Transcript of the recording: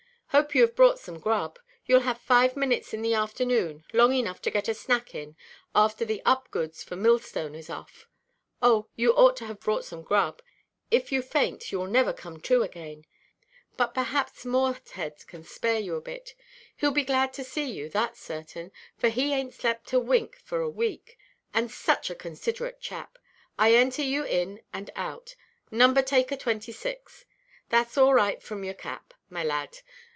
Hope you have brought some grub. Youʼll have five minutes in the afternoon, long enough to get a snack in, after the up goods for Millstone is off. Oh, you ought to have brought some grub; if you faint, you will never come to again. But perhaps Morshead can spare you a bit. Heʼll be glad to see you, thatʼs certain, for he ainʼt slept a wink for a week. And such a considerate chap. I enter you in and out. 'Number–taker 26.' Thatʼs all right from your cap, my lad.